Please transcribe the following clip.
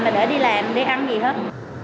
mà để đi làm để ăn gì hết